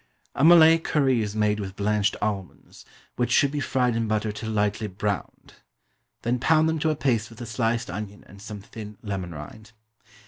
A MALAY CURRY is made with blanched almonds, which should be fried in butter till lightly browned. Then pound them to a paste with a sliced onion and some thin lemon rind.